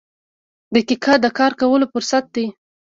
• دقیقه د کار کولو فرصت دی.